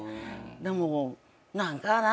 でも何かな。